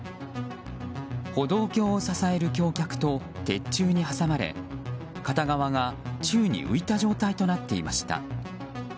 歩道橋を支える橋脚と鉄柱に挟まれ片側が宙に浮いた状態となっていました。